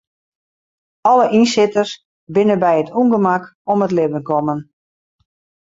Alle ynsitters binne by it ûngemak om it libben kommen.